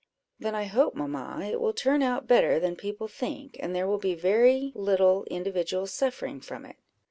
"Then I hope, mamma, it will turn out better than people think; and there will be very little individual suffering from it."